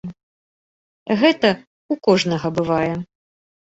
Гэта ў кожнага бывае.